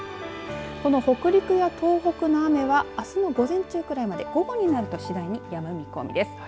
この北陸や東北の雨はあすの午前中ぐらいまで午後になると次第にやむ見込みです。